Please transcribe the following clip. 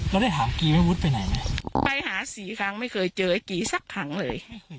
แล้วได้ถามกีไหมวุฒิไปไหนไหมไปหาสี่ครั้งไม่เคยเจอไอ้กีสักครั้งเลย